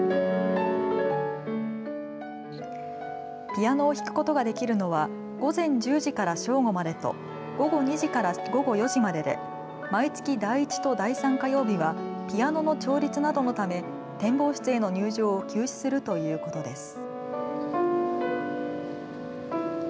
ピアノを弾くことができるのは午前１０時から正午までと午後２時から午後４時までで毎月、第１と第３火曜日はピアノの調律などのため展望室への入場を休止するということです。